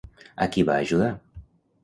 A qui va ajudar?